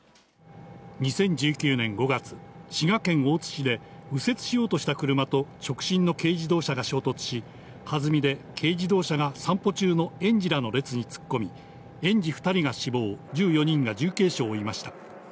２０１９年５月、滋賀県大津市で右折しようとした車と直進の軽自動車が衝突し、はずみで軽自動車が散歩中の園児らの列に突っ込み、園児２人が死亡、１４人が重軽傷を負いました。